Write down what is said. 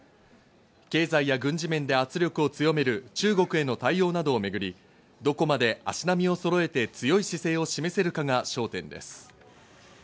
経済や軍事面で圧力を強める中国への対応などをめぐりどこまで足並みをそろえて強い姿勢を示せるかが焦点です。